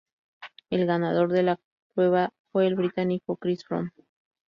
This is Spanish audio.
El ganador de la prueba fue el británico Chris Froome.